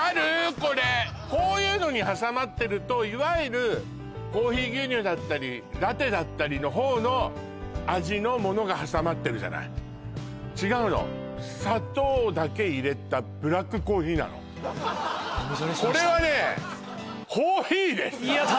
これこういうのに挟まってるといわゆるコーヒー牛乳だったりラテだったりの方の味のものが挟まってるじゃない違うの砂糖だけ入れたブラックコーヒーなのおみそれしましたやった！